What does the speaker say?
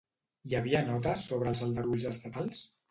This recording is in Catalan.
Hi havia notes sobre els aldarulls estatals?